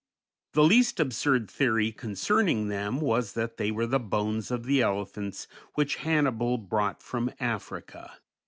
The least absurd theory concerning them was that they were the bones of the elephants which Hannibal brought from Africa.